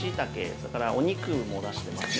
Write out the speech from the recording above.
それからお肉も出汁が出ますね。